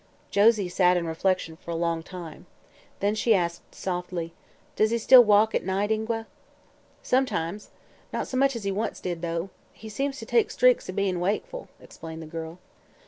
Josie sat in silent reflection for a time. Then she asked softly: "Does he still walk at night, Ingua?" "Sometimes. Not so much as he once did, though. He seems to take streaks o' bein' wakeful," explained the girl.